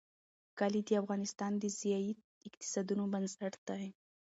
کلي د افغانستان د ځایي اقتصادونو بنسټ دی.